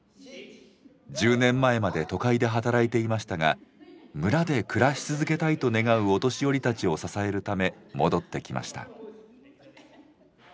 １０年前まで都会で働いていましたが「村で暮らし続けたい」と願うお年寄りたちを支えるため戻ってきました。